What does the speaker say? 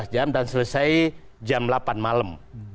sebelas jam dan selesai jam delapan malam